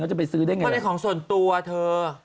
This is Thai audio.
จะไปซื้อได้ไงเป็นของส่วนตัวเธอ